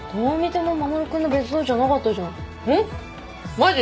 マジ！？